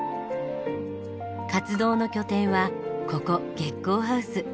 活動の拠点はここ月光ハウス。